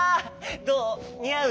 どう？にあう？